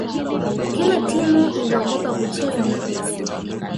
kila timu iliogopa kucheza na messi